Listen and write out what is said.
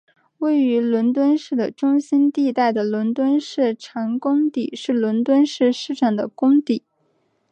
位于伦敦市的中心地带的伦敦市长官邸是伦敦市市长的官邸。